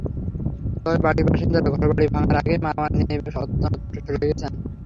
তবে বাড়ির বাসিন্দারা ঘরবাড়ি ভাঙার আগেই মালামাল নিয়ে অন্যত্র সরে গেছেন।